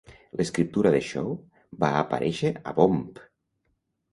L'escriptura de Shaw va aparèixer a Bomp!